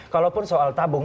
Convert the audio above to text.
kalaupun soal tabung